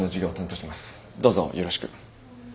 どうぞよろしく。